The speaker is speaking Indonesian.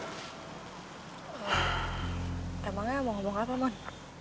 sebenarnya mau ngomong apa mon